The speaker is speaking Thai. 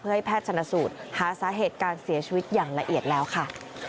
ให้แพทย์ชนสูตรหาสาเหตุการเสียชีวิตอย่างละเอียดแล้วค่ะ